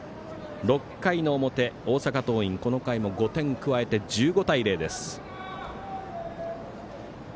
６回の表、大阪桐蔭この回も５点加えて１５対０です。